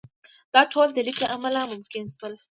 دا ټول د لیک له امله ممکن شول.